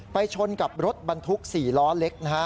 ไปชนกับรถบรรทุก๔ล้อเล็ก